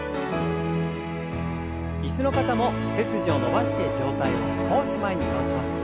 椅子の方も背筋を伸ばして上体を少し前に倒します。